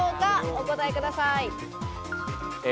お答えください。